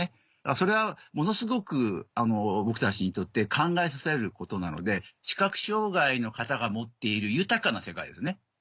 それはものすごく僕たちにとって考えさせられることなので視覚障がいの方が持っている豊かな世界ですね。